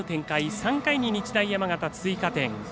３回に日大山形、追加点。